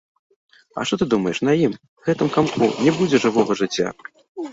І што ты думаеш, на ім, гэтым камку, не будзе жывога жыцця?